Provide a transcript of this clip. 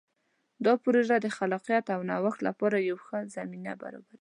دا پروژه د خلاقیت او نوښت لپاره یوه ښه زمینه برابروي.